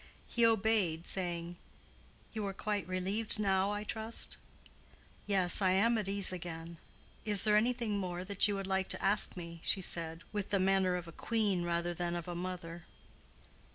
He obeyed, saying, "You are quite relieved now, I trust?" "Yes, I am at ease again. Is there anything more that you would like to ask me?" she said, with the matter of a queen rather than of a mother.